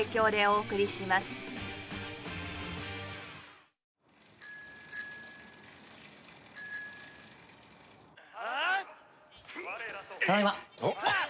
おっ！